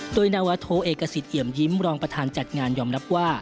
โดยนาวาโทเอกสิทธิเอี่ยมยิ้มรองประธานจัดงานยอมรับว่า